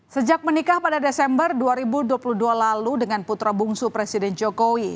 sejak menikah pada desember dua ribu dua puluh dua lalu dengan putra bungsu presiden jokowi